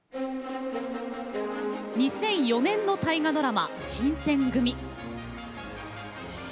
２００４年の大河ドラマ「新選組！」。